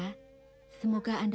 tuhan yang menjaga nikmat kita